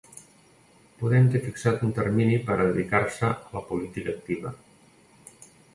Podem té fixat un termini per a dedicar-se a la política activa